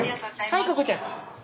はい瑚子ちゃん。